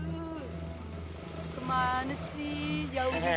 kemana sih jauh juga paling ya